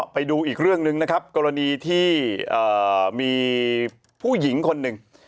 ไปดูอีกเรื่องหนึ่งนะครับกรณีที่มีผู้หญิงคนหนึ่ง